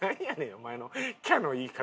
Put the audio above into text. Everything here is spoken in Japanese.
お前の「キャッ！」の言い方。